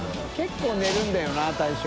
觜寝るんだよな大将。